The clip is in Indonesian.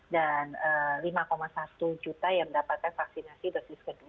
dan lima satu juta yang mendapatkan vaksinasi dosis kedua